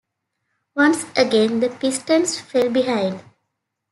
Once again, the Pistons fell behind.